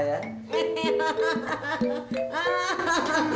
ya cinta ya